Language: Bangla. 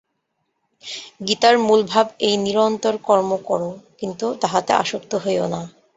গীতার মূলভাব এই নিরন্তর কর্ম কর, কিন্তু তাহাতে আসক্ত হইও না।